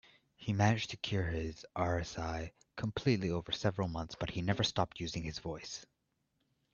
He managed to cure his RSI completely over several months, but he never stopped using his voice.